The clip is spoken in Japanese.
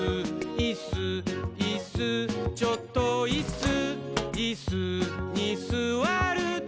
「いっすーいっすーちょっといっすー」「イスにすわると」